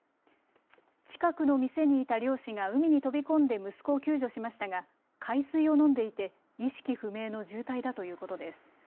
近くの店にいた漁師が海に飛び込んで息子を救助しましたが海水を飲んでいて意識不明の重体だということです。